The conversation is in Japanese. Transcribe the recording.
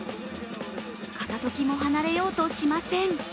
片時も離れようとしません。